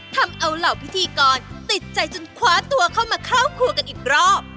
ทำเอาเหล่าพิธีกรติดใจจนคว้าตัวเข้ามาเข้าครัวกันอีกรอบ